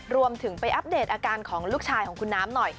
รวมถึงไปอัปเดตอาการของลูกชายของคุณน้ำหน่อย